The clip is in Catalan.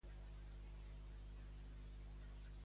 El desemmotllem i deixem refredat sota d'una reixeta.